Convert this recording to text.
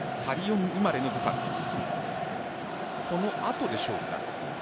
この後でしょうか。